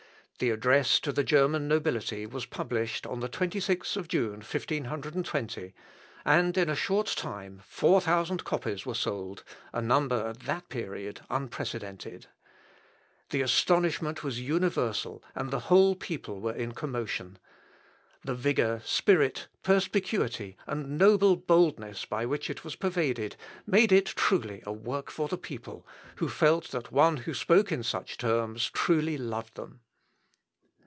The Address to the German Nobility was published on the 26th of June, 1520, and, in a short time, 4000 copies were sold, a number at that period unprecedented. The astonishment was universal, and the whole people were in commotion. The vigour, spirit, perspicuity, and noble boldness by which it was pervaded, made it truly a work for the people, who felt that one who spoke in such terms truly loved them.